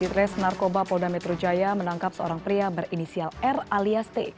ditres narkoba polda metro jaya menangkap seorang pria berinisial r alias t